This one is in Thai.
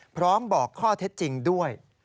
พร้อมบอกข้อเท็จจริงด้วย